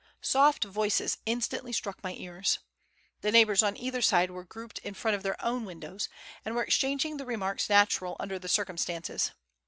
Soft voices instantly struck my ears. The neighbours on either side were grouped in front of their own windows, and were exchanging the remarks natural under the circumstances.